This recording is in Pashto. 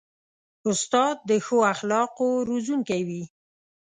استاد د ښو اخلاقو روزونکی وي.